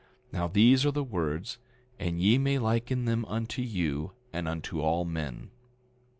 Now these are the words, and ye may liken them unto you and unto all men.